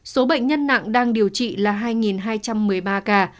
số bệnh nhân nặng đang điều trị là hai hai trăm một mươi ba ca